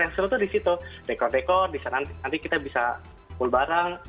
yang seru itu di situ dekor dekor nanti kita bisa pool bareng